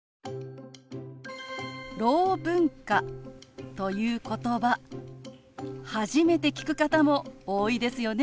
「ろう文化」ということば初めて聞く方も多いですよね。